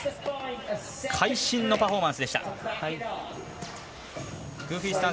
会心のパフォーマンスでした。